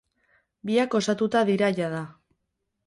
Biak osatuta dira jada.